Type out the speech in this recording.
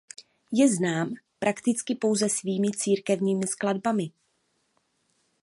Je znám prakticky pouze svými církevními skladbami.